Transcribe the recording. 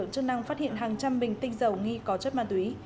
chức năng phát hiện hàng trăm bình tinh dầu nghi có chất ma túy